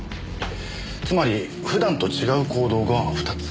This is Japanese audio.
つまり普段と違う行動が２つ。